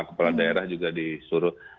kepala daerah juga disuruh